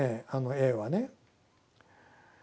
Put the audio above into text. Ａはね。